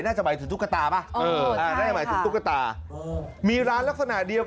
น่าจะหมายถึงตุ๊กตามีร้านลักษณะเดียวกัน